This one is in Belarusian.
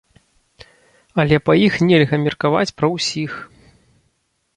Але па іх нельга меркаваць пра усіх.